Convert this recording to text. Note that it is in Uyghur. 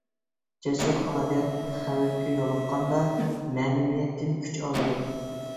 جەسۇر ئادەم خەۋپكە يولۇققاندا، مەنىۋىيەتتىن كۈچ ئالىدۇ.